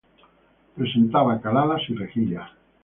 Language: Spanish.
Presentaba caladas y rejillas.